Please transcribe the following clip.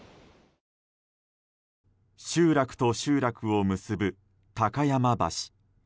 集落と集落を結ぶ高山橋。